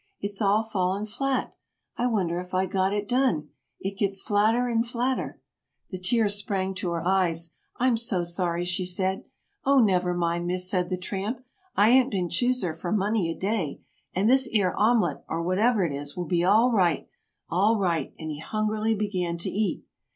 "It's all fallen flat! I wonder if I got it done. It gets flatter and flatter." The tears sprang to her eyes. "I'm so sorry," she said. [Illustration: "Why, what's the matter with it?"] "Oh, never mind, Miss," said the tramp; "I ain't been chooser for mony a day and this 'ere homelet, or whatever it is, will be all right, all right," and he hungrily began to eat.